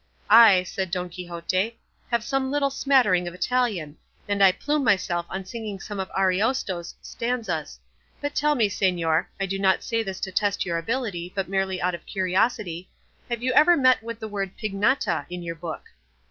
"I," said Don Quixote, "have some little smattering of Italian, and I plume myself on singing some of Ariosto's stanzas; but tell me, señor I do not say this to test your ability, but merely out of curiosity have you ever met with the word pignatta in your book?"